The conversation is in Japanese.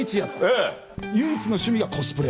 唯一の趣味がコスプレ。